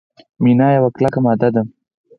مینا یوه کلکه ماده ده.